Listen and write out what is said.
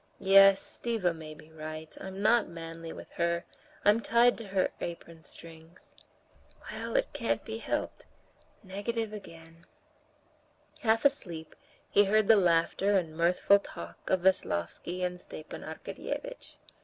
Yes, Stiva may be right, I'm not manly with her, I'm tied to her apron strings.... Well, it can't be helped! Negative again...." Half asleep, he heard the laughter and mirthful talk of Veslovsky and Stepan Arkadyevitch.